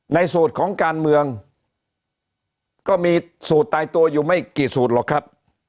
สูตรของการเมืองก็มีสูตรตายตัวอยู่ไม่กี่สูตรหรอกครับ